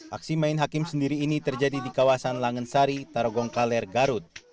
aksi main hakim sendiri ini terjadi di kawasan langensari tarogongkaler garut